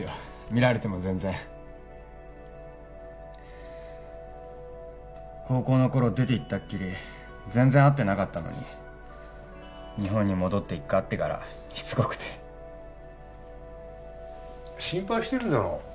見られても全然高校の頃出て行ったっきり全然会ってなかったのに日本に戻って一回会ってからしつこくて心配してるんだろう